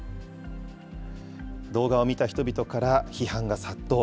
動画を見た人々から批判が殺到。